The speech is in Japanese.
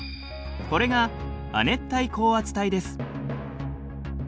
これが亜熱帯高圧帯です。